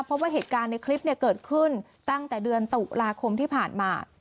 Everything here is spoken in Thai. เพราะว่าเหตุการณ์ในคลิปเกิดขึ้นตั้งแต่เดือนตุลาคมที่ผ่านมา